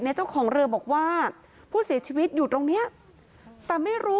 พ่อแม่มาเห็นสภาพศพของลูกร้องไห้กันครับขาดใจ